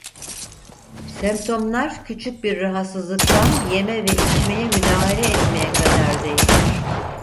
Semptomlar küçük bir rahatsızlıktan yeme ve içmeye müdahale etmeye kadar değişir.